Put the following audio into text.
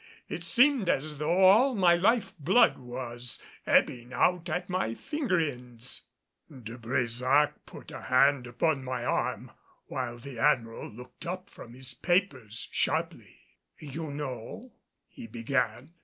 It seemed as though all my life blood was ebbing out of my finger ends. De Brésac put a hand upon my arm, while the Admiral looked up from his papers sharply. "You know " he began.